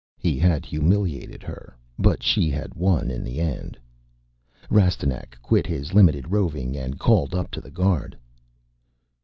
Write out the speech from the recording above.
He had humiliated her, but she had won in the end. Rastignac quit his limited roving and called up to the guard.